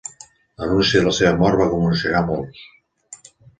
L'anunci de la seva mort va commocionar a molts.